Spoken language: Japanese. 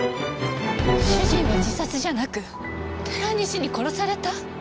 主人は自殺じゃなく寺西に殺された？